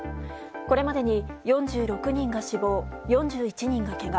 これまでに４６人が死亡４１人がけが。